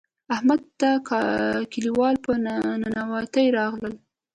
احمد ته کلیوال په ننواتې راغلل.